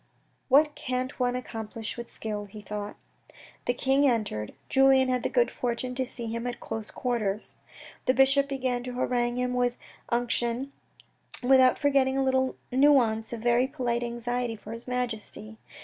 "What can't one accomplish with skill," he thought. The king entered. Julien had the good fortune to see him at close quarters. The bishop began to harangue him with unction, without forgetting a little nuance of very polite anxiety for his Majesty.